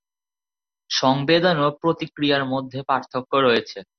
সংবেদন ও প্রতিক্রিয়ার মধ্যে পার্থক্য রয়েছে।